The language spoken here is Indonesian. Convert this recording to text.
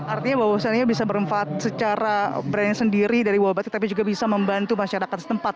artinya bahwasannya bisa bermanfaat secara brand sendiri dari buah batik tapi juga bisa membantu masyarakat setempat